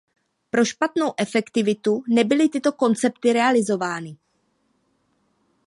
Pro špatnou efektivitu nebyly tyto koncepce realizovány.